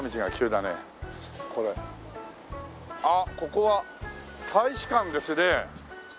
あっここは大使館ですね。